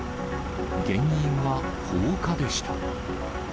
原因は放火でした。